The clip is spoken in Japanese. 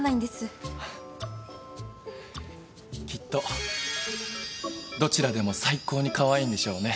きっとどちらでも最高にカワイイんでしょうね。